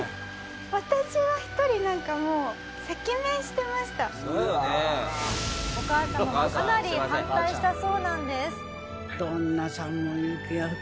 私は一人なんかもうお母様もかなり反対したそうなんです。